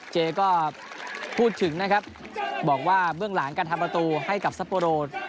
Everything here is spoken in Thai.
เจก็พูดถึงนะครับบอกว่าเบื้องหลังการทำประตูให้กับซัปโปโร